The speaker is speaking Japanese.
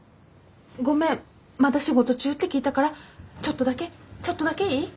ごめんまだ仕事中って聞いたからちょっとだけちょっとだけいい？